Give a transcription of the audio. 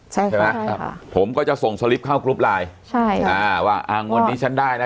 ใช่ไหมใช่ค่ะผมก็จะส่งสลิปเข้ากลุ่มไลน์ใช่ว่างนี้ฉันได้นะ